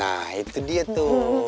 nah itu dia tuh